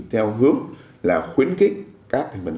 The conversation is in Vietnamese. theo hướng khuyến khích các doanh nghiệp